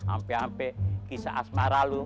ampe ampe kisah asmara lu